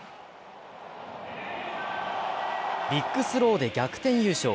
ビッグスローで逆転優勝。